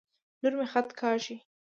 لور مي خط کاږي.